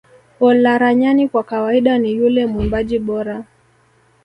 Olaranyani kwa kawaida ni yule mwimbaji bora